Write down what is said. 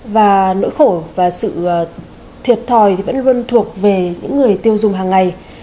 và nỗi khổ và sự thiệt thòi thì vẫn luôn thuộc về những người tiêu dùng hàng ngày